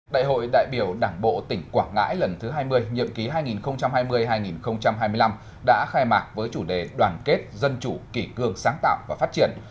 đại hội đại biểu đảng bộ tỉnh quảng ngãi lần thứ hai mươi nhiệm ký hai nghìn hai mươi hai nghìn hai mươi năm đã khai mạc với chủ đề đoàn kết dân chủ kỷ cương sáng tạo và phát triển